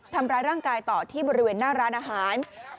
ทำร้ายร่างกายต่อที่บริเวณหน้าร้านอาหาร